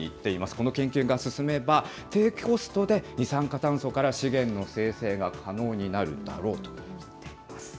この研究が進めば、低コストで二酸化炭素から資源の生成が可能になるだろうというふうに。